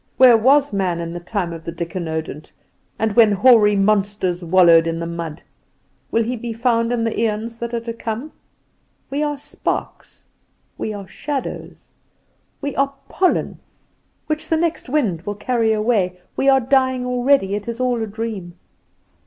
Where was man in the time of the dicynodont, and when hoary monsters wallowed in the mud? Will he be found in the aeons that are to come? We are sparks, we are shadows, we are pollen, which the next wind will carry away. We are dying already; it is all a dream.